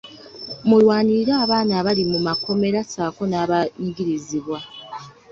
Mulwanirire abaana abali mu makomera ssaako n’abanyigirizibwa.